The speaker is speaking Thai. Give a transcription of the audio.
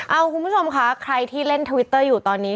เอาคุณผู้ชมค่ะใครที่เล่นทวิตเตอร์อยู่ตอนนี้